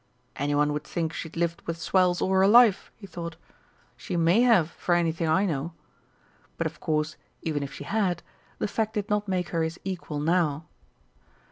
"Anyone would think she'd lived with swells all her life," he thought. "She may have, for anything I know!" But, of course, even if she had, the fact did not make her his equal now.